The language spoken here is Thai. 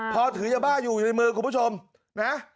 พอถือยาบ้าอยู่ในมือคุณผู้ชมนะ